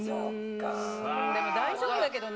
んー、でも大丈夫だけどな。